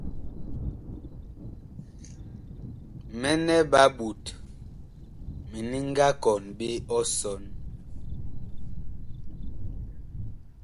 Mɛnɛ ɓa ɓot mini nga kɔn ɓe ɔsɔn.